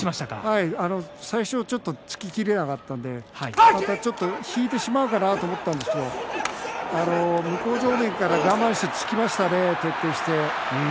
最初ちょっと突ききれなかったので引いてしまうかなと思ったんですが向正面から我慢して突きましたね徹底して。